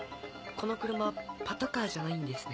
この車パトカーじゃないんですね。